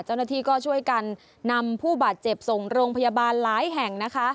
เจ้าหน้าที่ก็ช่วยกันนำผู้บาดเจ็บส่งโรงพยาบาลหลายแห่งนะคะ